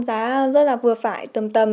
giá rất là vừa phải tầm tầm